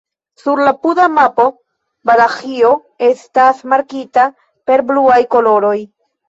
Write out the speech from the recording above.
Sur la apuda mapo Valaĥio estas markita per bluaj koloroj.